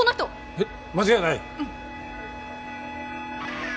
えっ間違いないうん。